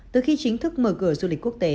từ khi chính thức mở cửa du lịch quốc tế